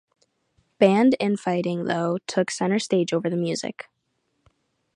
Band in-fighting, though, took center stage over the music.